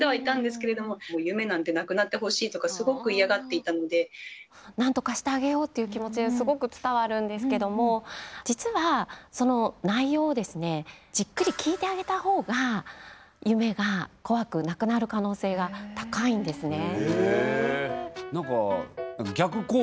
ちょうど時期的にちょうどいわゆるなんとかしてあげようっていう気持ちがすごく伝わるんですけども実はその内容をですねじっくり聞いてあげた方が夢がこわくなくなる可能性が高いんですね。